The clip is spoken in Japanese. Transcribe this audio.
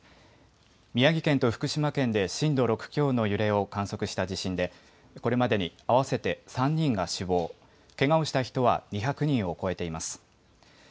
宮城県と福島県で震度６強の揺れを観測した地震でこれまでに合わせて３人が死亡、けがをした人は２００人を超えています。